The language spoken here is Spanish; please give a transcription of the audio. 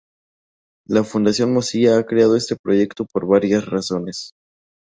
La Fundación Mozilla ha creado este proyecto por varias razones.